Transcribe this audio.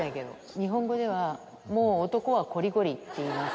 日本語では、もう男はこりごりって言います。